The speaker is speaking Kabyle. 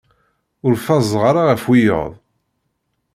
Ur fazeɣ ara ɣef wiyaḍ.